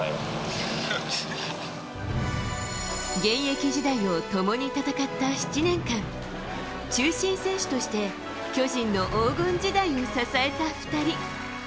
現役時代を共に戦った７年間中心選手として巨人の黄金時代を支えた２人。